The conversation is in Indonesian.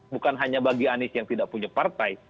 bukan hanya bagi anies yang tidak punya partai